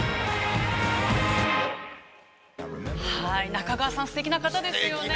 ◆中川さん、すてきな方ですよね。